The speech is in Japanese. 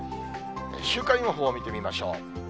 週間予報を見てみましょう。